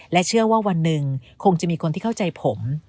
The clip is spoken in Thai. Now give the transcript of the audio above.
เชื่อว่าวันหนึ่งคงจะมีคนที่เข้าใจผม